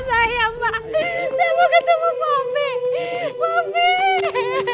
saya mau ketemu poppy